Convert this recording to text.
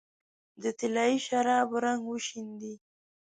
د طلايي شرابو رنګ وشیندې